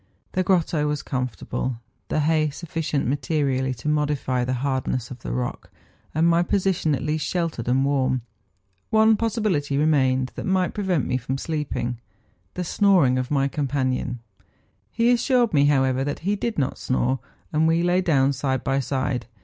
The grotto was comfortable, the hay sufficient materially to mo¬ dify the hardness of the rock, and my position at least sheltered and warm. One possibility remained that might prevent me from sleeping—the snoring of my companion ; he assured me, however, that he did not snore, and we lay down side by side.